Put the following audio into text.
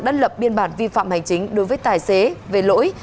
đã lập biên bản vi phạm hành chính đối với tài xế về lỗi